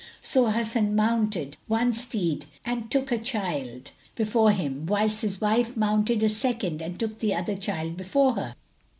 So Hasan mounted one steed and took a child before him, whilst his wife mounted a second and took the other child before her.